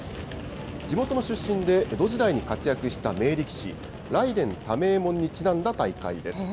地元の出身で江戸時代に活躍した名力士、雷電為右衛門にちなんだ大会です。